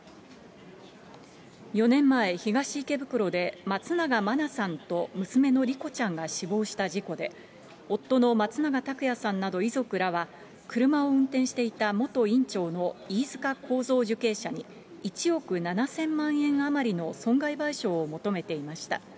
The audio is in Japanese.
４年前、東池袋で松永真菜さんと娘の莉子ちゃんが死亡した事故で、夫の松永拓也さんなど遺族らは、車を運転していた元院長の飯塚幸三受刑者に、１億７０００万円余りの損害賠償を求めていました。